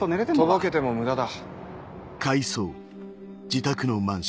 とぼけても無駄だ。